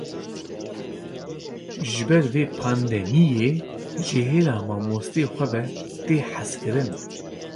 Ji ber vê pabendiyê, ji hêla mamoste xwe ve, tê hezkirin